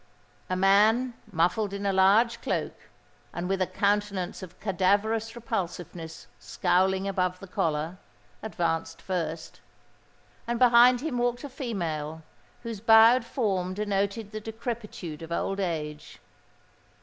A man muffled in a large cloak, and with a countenance of cadaverous repulsiveness scowling above the collar, advanced first; and behind him walked a female whose bowed form denoted the decrepitude of old age.